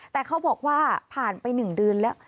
แต่เขาบอกว่าผ่านไป๑เดือนแล้ว